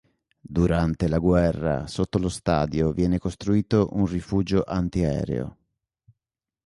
Durante la guerra sotto lo stadio viene costruito un rifugio antiaereo.